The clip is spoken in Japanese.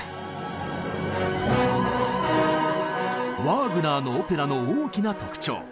ワーグナーのオペラの大きな特徴。